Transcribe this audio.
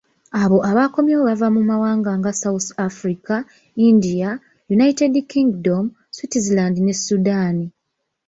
Abo abakomyewo bava mu mawanga nga South Africa, India, United Kingdom, Switzerland ne Sudan.